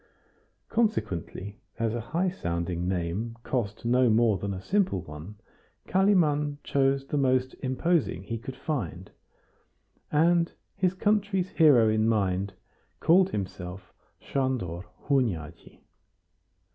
Consequently, as a high sounding name cost no more than a simple one, Kalimann chose the most imposing he could find, and, his country's hero in mind, called himself Sandor Hunyadi.